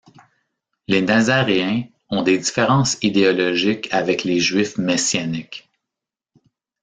Les Nazaréens ont des différences idéologiques avec les Juifs messianiques.